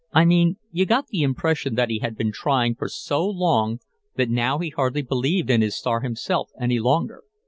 I mean, you got the impression that he had been trying for so long that now he hardly believed in his star himself any longer.